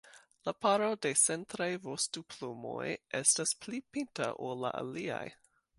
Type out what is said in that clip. La paro da centraj vostoplumoj estas pli pinta ol la aliaj.